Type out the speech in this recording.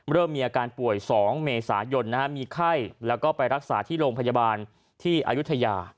เริ่มมีอาการป่วย๒เมษายนมีไข้แล้วก็ไปรักษาที่โรงพยาบาลที่อายุทยา